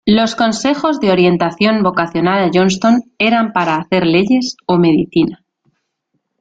Los consejos de orientación vocacional a Johnston eran para hacer leyes o medicina.